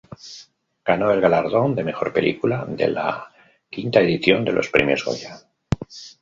Ganó el galardón de mejor película de la V edición de los Premios Goya.